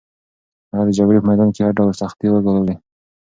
هغه د جګړې په میدان کې هر ډول سختۍ وګاللې.